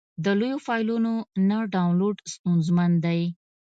د لویو فایلونو نه ډاونلوډ ستونزمن دی.